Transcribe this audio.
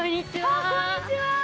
あっこんにちは。